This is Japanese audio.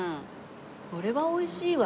これはおいしいわ。